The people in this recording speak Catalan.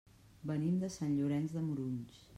Venim de Sant Llorenç de Morunys.